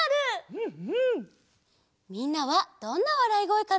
みんなはどんなわらいごえかな？